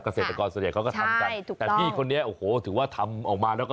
เกษตรกรส่วนใหญ่เขาก็ทำกันแต่พี่คนนี้โอ้โหถือว่าทำออกมาแล้วก็